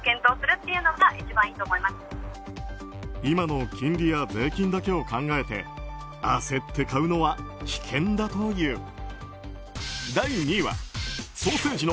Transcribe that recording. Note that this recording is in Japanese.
今の金利や税金だけを考えて焦って買うのは危険だという。